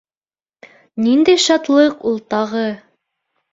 — Ниндәй шатлыҡ ул тағы!